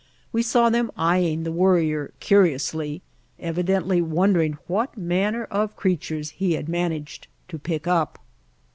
We saw them eying the Worrier curiously, evidently wonder ing what manner of creatures he had managed to pick up.